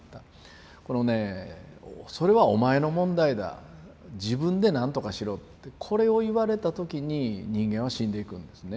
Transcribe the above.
このね「それはお前の問題だ自分で何とかしろ」ってこれを言われた時に人間は死んでいくんですね。